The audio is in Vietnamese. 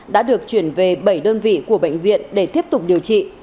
đã được chuyển về bảy đơn vị của bệnh viện để tiếp tục điều trị